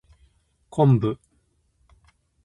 昆布